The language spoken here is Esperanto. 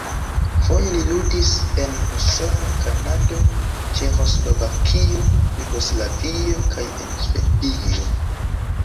Foje li ludis en Usono, Kanado, Ĉeĥoslovakio, Jugoslavio kaj en Svedio.